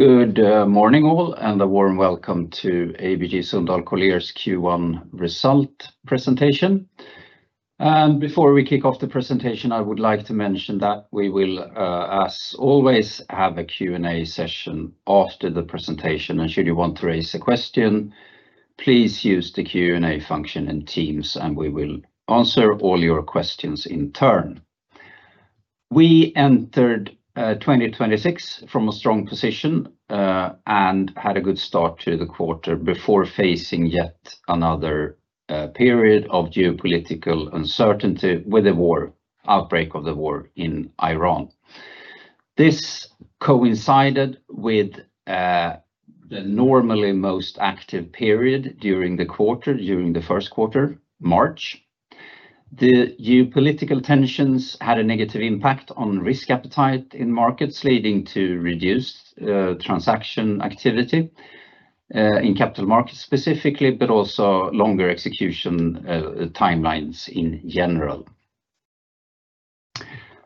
Good morning, all, and a warm welcome to ABG Sundal Collier's Q1 result presentation. Before we kick off the presentation, I would like to mention that we will, as always, have a Q&A session after the presentation. Should you want to raise a question, please use the Q&A function in Teams, and we will answer all your questions in turn. We entered 2026 from a strong position and had a good start to the quarter before facing yet another period of geopolitical uncertainty with the outbreak of the war in Iran. This coincided with the normally most active period during the first quarter, March. The geopolitical tensions had a negative impact on risk appetite in markets, leading to reduced transaction activity in capital markets specifically, but also longer execution timelines in general.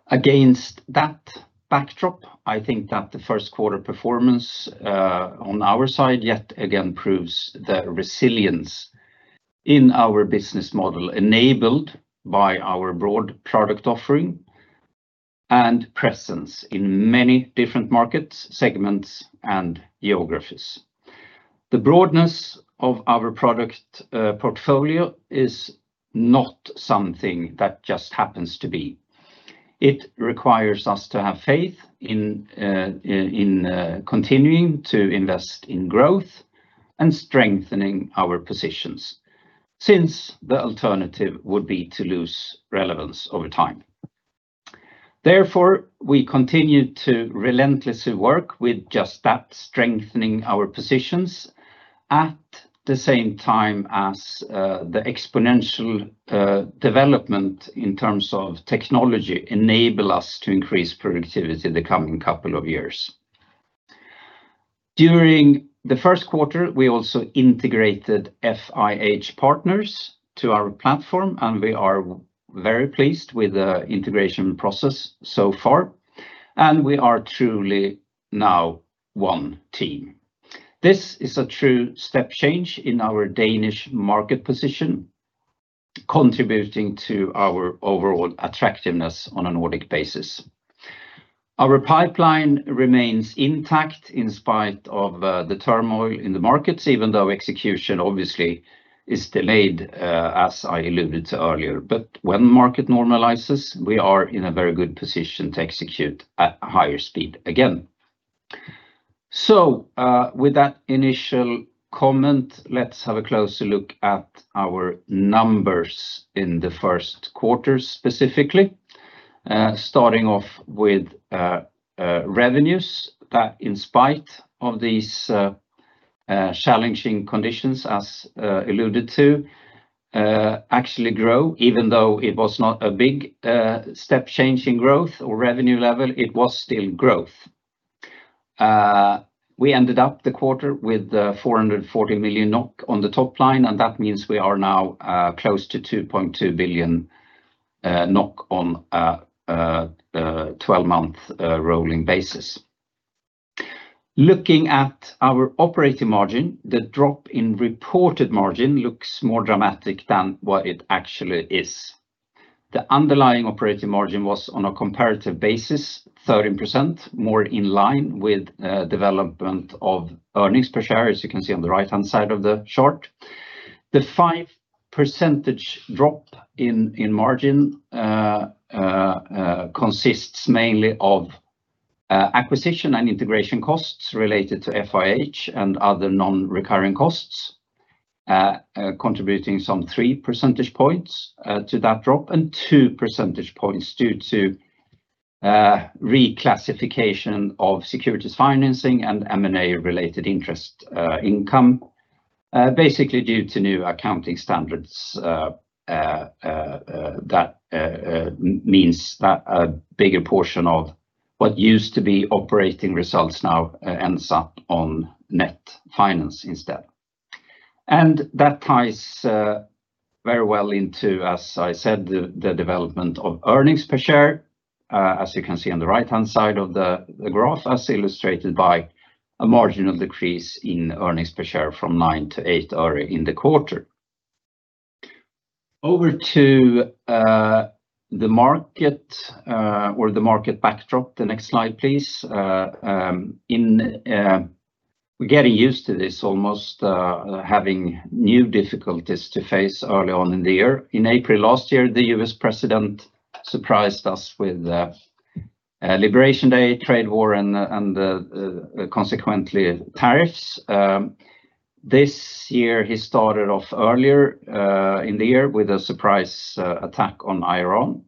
Against that backdrop, I think that the first quarter performance on our side yet again proves the resilience in our business model, enabled by our broad product offering and presence in many different markets, segments, and geographies. The broadness of our product portfolio is not something that just happens to be. It requires us to have faith in continuing to invest in growth and strengthening our positions, since the alternative would be to lose relevance over time. Therefore, we continue to relentlessly work with just that, strengthening our positions at the same time as the exponential development in terms of technology enable us to increase productivity in the coming couple of years. During the first quarter, we also integrated FIH Partners to our platform, and we are very pleased with the integration process so far, and we are truly now one team. This is a true step change in our Danish market position, contributing to our overall attractiveness on a Nordic basis. Our pipeline remains intact in spite of the turmoil in the markets, even though execution obviously is delayed as I alluded to earlier. When the market normalizes, we are in a very good position to execute at higher speed again. With that initial comment, let's have a closer look at our numbers in the first quarter specifically. Starting off with revenues that, in spite of these challenging conditions as alluded to, actually grow. Even though it was not a big step change in growth or revenue level, it was still growth. We ended up the quarter with 440 million NOK on the top line, and that means we are now close to NOK 2.2 billion on a 12-month rolling basis. Looking at our operating margin, the drop in reported margin looks more dramatic than what it actually is. The underlying operating margin was, on a comparative basis, 13%, more in line with development of earnings per share, as you can see on the right-hand side of the chart. The 5% drop in margin consists mainly of acquisition and integration costs related to FIH and other non-recurring costs, contributing some three percentage points to that drop and two percentage points due to reclassification of securities financing and M&A-related interest income, basically due to new accounting standards that means that a bigger portion of what used to be operating results now ends up on net finance instead. That ties very well into, as I said, the development of earnings per share, as you can see on the right-hand side of the graph as illustrated by a marginal decrease in earnings per share from 9-8 already in the quarter. Over to the market backdrop. The next slide, please. We're getting used to this almost, having new difficulties to face early on in the year. In April last year, the U.S. President surprised us with Liberation Day trade war and consequently tariffs. This year he started off earlier in the year with a surprise attack on Iran.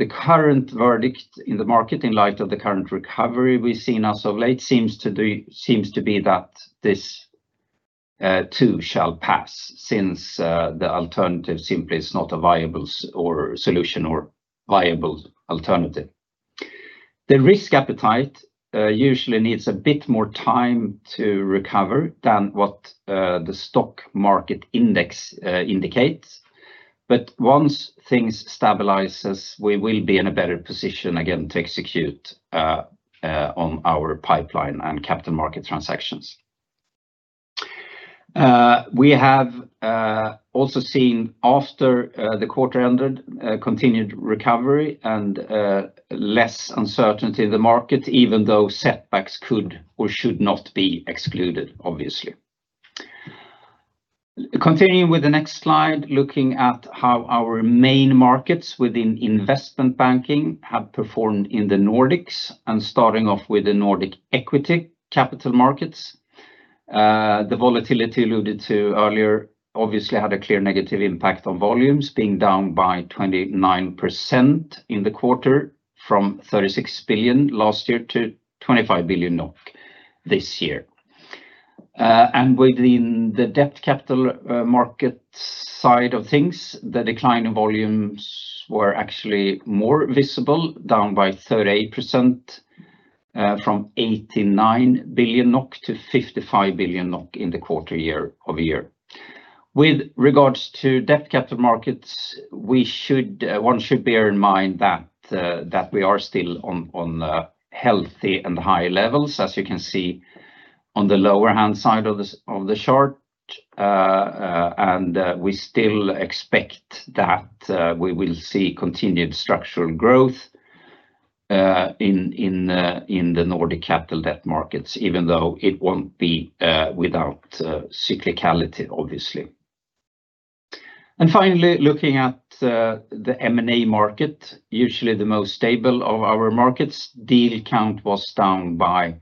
The current verdict in the market, in light of the current recovery we've seen as of late seems to be that this too shall pass since the alternative simply is not a viable solution or viable alternative. The risk appetite usually needs a bit more time to recover than what the stock market index indicates. Once things stabilizes, we will be in a better position again to execute on our pipeline and capital market transactions. We have also seen after the quarter ended, continued recovery and less uncertainty in the market, even though setbacks could or should not be excluded, obviously. Continuing with the next slide, looking at how our main markets within Investment Banking have performed in the Nordics, and starting off with the Nordic equity capital markets, the volatility alluded to earlier obviously had a clear negative impact on volumes being down by 29% in the quarter from 36 billion last year to 25 billion NOK this year. Within the debt capital markets side of things, the decline in volumes were actually more visible, down by 38%, from 89 billion-55 billion NOK in the quarter year-over-year. With regards to debt capital markets, one should bear in mind that we are still on healthy and high levels, as you can see on the lower hand side of the chart. We still expect that we will see continued structural growth in the Nordic capital debt markets, even though it won't be without cyclicality, obviously. Finally, looking at the M&A market, usually the most stable of our markets. Deal count was down by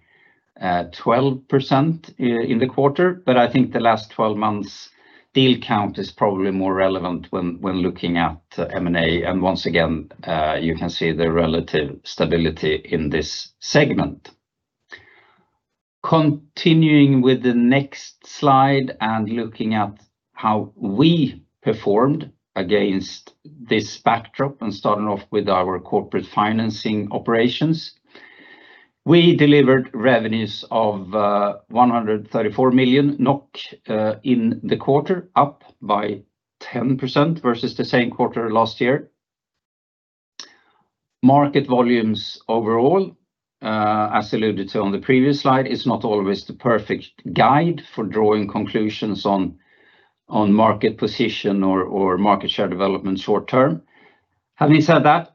12% in the quarter, but I think the last 12 months deal count is probably more relevant when looking at M&A. Once again, you can see the relative stability in this segment. Continuing with the next slide and looking at how we performed against this backdrop, and starting off with our Corporate Financing operations, we delivered revenues of 134 million NOK in the quarter, up by 10% versus the same quarter last year. Market volumes overall, as alluded to on the previous slide, is not always the perfect guide for drawing conclusions on market position or market share development short-term. Having said that,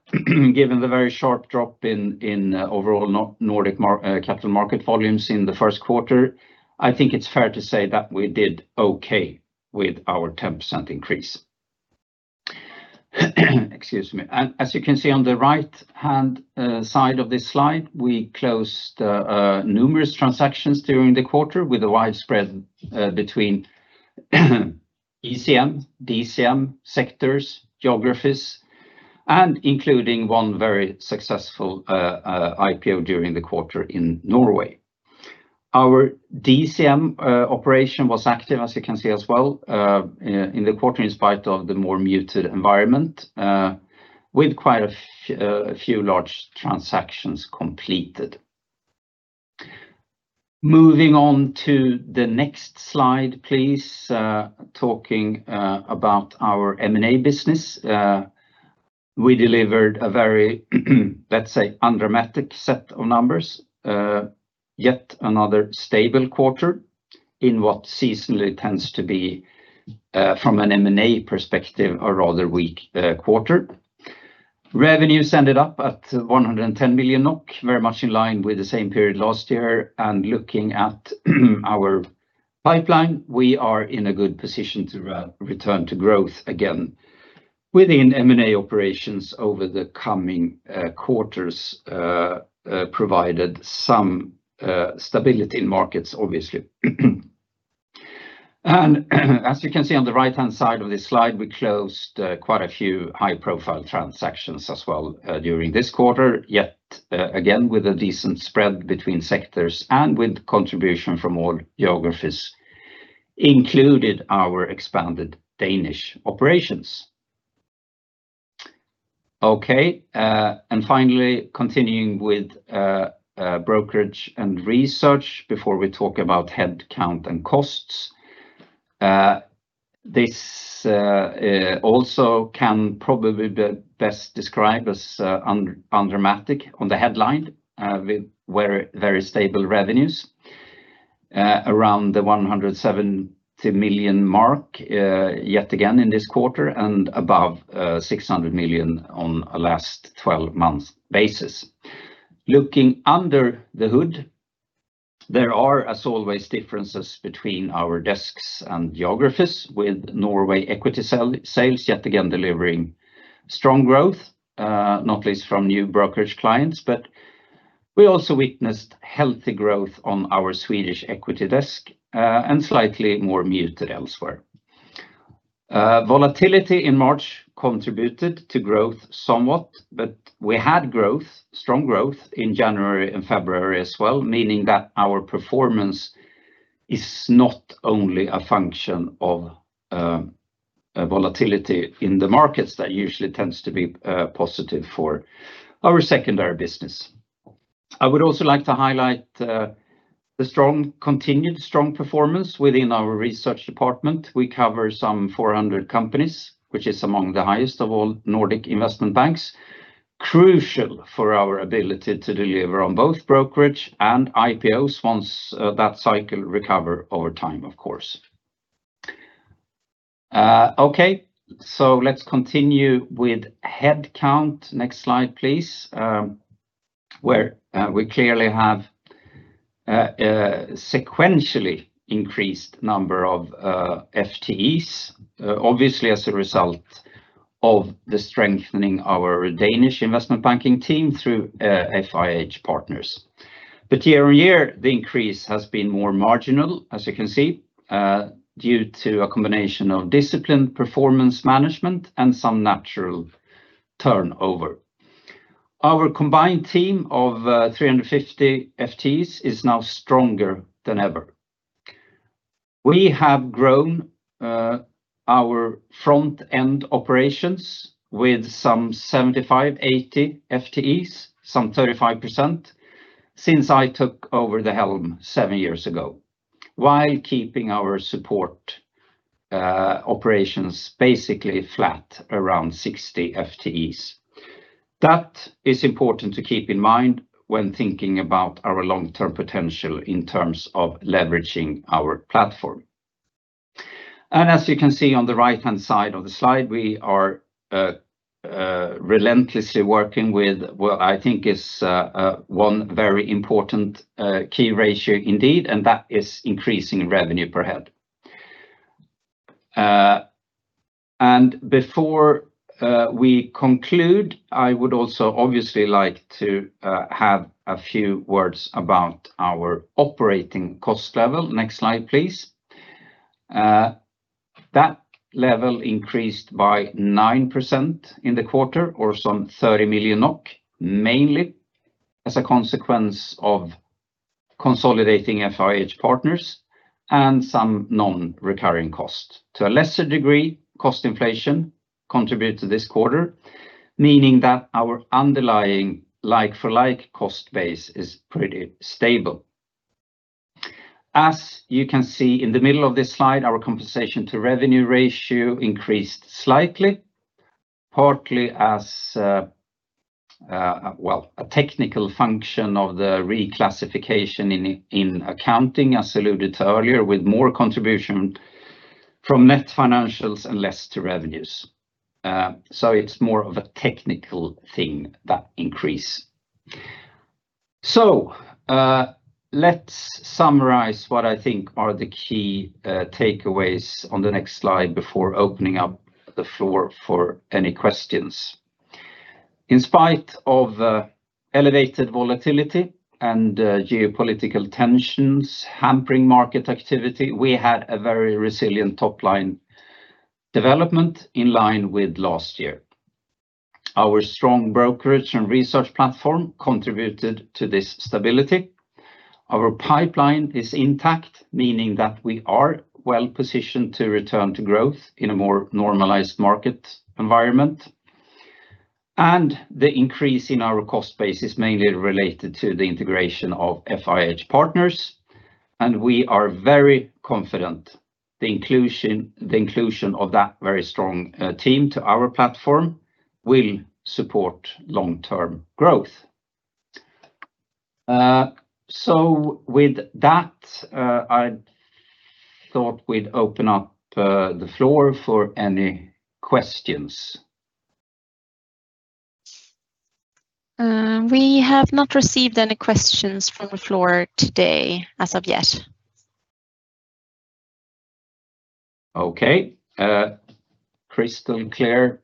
given the very sharp drop in overall Nordic capital market volumes in the first quarter, I think it's fair to say that we did okay with our 10% increase. Excuse me. As you can see on the right-hand side of this slide, we closed numerous transactions during the quarter with a wide spread between ECM, DCM sectors, geographies, and including one very successful IPO during the quarter in Norway. Our DCM operation was active, as you can see as well, in the quarter, in spite of the more muted environment, with quite a few large transactions completed. Moving on to the next slide, please. Talking about our M&A business, we delivered a very, let's say, undramatic set of numbers, yet another stable quarter in what seasonally tends to be, from an M&A perspective, a rather weak quarter. Revenues ended up at 110 million NOK, very much in line with the same period last year. Looking at our pipeline, we are in a good position to return to growth again within M&A operations over the coming quarters, provided some stability in markets, obviously. As you can see on the right-hand side of this slide, we closed quite a few high-profile transactions as well during this quarter. Yet again, with a decent spread between sectors and with contribution from all geographies, including our expanded Danish operations. Okay. Finally, continuing with Brokerage and Research before we talk about headcount and costs. This also can probably be best described as undramatic on the headline, with very stable revenues around the 170 million mark yet again in this quarter and above 600 million on a last 12 months basis. Looking under the hood, there are, as always, differences between our desks and geographies, with Norway equity sales yet again delivering strong growth, not least from new brokerage clients, but we also witnessed healthy growth on our Swedish equity desk and slightly more muted elsewhere. Volatility in March contributed to growth somewhat, but we had strong growth in January and February as well, meaning that our performance is not only a function of volatility in the markets that usually tends to be positive for our secondary business. I would also like to highlight the continued strong performance within our research department. We cover some 400 companies, which is among the highest of all Nordic investment banks, crucial for our ability to deliver on both brokerage and IPOs once that cycle recovers over time, of course. Okay. Let's continue with headcount. Next slide, please, where we clearly have sequentially increased number of FTEs, obviously as a result of the strengthening our Danish investment banking team through FIH Partners. Year-on-year, the increase has been more marginal, as you can see, due to a combination of disciplined performance management and some natural turnover. Our combined team of 350 FTEs is now stronger than ever. We have grown our front-end operations with some 75 FTEs-80 FTEs, some 35% since I took over the helm seven years ago, while keeping our support operations basically flat around 60 FTEs. That is important to keep in mind when thinking about our long-term potential in terms of leveraging our platform. As you can see on the right-hand side of the slide, we are relentlessly working with what I think is one very important key ratio indeed, and that is increasing revenue per head. Before we conclude, I would also obviously like to have a few words about our operating cost level. Next slide, please. That level increased by 9% in the quarter or some 30 million NOK, mainly as a consequence of consolidating FIH Partners and some non-recurring costs. To a lesser degree, cost inflation contributed to this quarter, meaning that our underlying like-for-like cost base is pretty stable. As you can see in the middle of this slide, our compensation-to-revenue ratio increased slightly, partly as a technical function of the reclassification in accounting, as alluded to earlier, with more contribution from net financials and less to revenues. It's more of a technical thing, that increase. Let's summarize what I think are the key takeaways on the next slide before opening up the floor for any questions. In spite of elevated volatility and geopolitical tensions hampering market activity, we had a very resilient top-line development in line with last year. Our strong Brokerage and Research platform contributed to this stability. Our pipeline is intact, meaning that we are well-positioned to return to growth in a more normalized market environment. The increase in our cost base is mainly related to the integration of FIH Partners, and we are very confident the inclusion of that very strong team to our platform will support long-term growth. With that, I thought we'd open up the floor for any questions. We have not received any questions from the floor today as of yet. Okay. Crystal clear.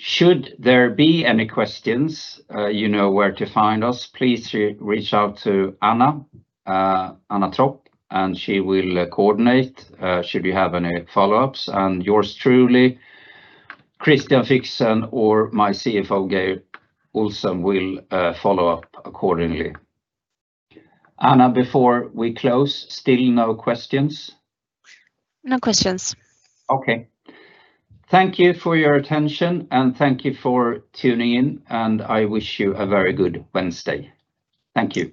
Should there be any questions, you know where to find us. Please reach out to Anna Tropp, and she will coordinate should you have any follow-ups, and yours truly, Kristian Fyksen, or my CFO, Geir Olsen, will follow up accordingly. Anna, before we close, still no questions? No questions. Okay. Thank you for your attention, and thank you for tuning in, and I wish you a very good Wednesday. Thank you.